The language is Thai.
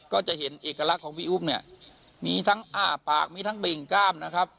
ก็จะเห็นเอกลักษณ์ของพี่อุ๊บเนี่ยมีทั้งอ้าปากมีทั้งเบ่งกล้ามนะครับ